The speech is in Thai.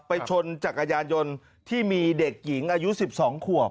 ชนจักรยานยนต์ที่มีเด็กหญิงอายุ๑๒ขวบ